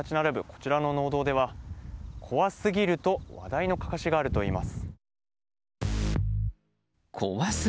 こちらの農道では怖すぎると話題のかかしがあるといいます。